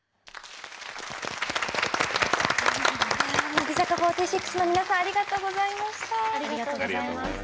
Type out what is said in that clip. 乃木坂４６の皆さんありがとうございました。